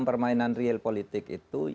permainan real politik itu